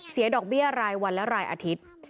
ดอกเบี้ยรายวันและรายอาทิตย์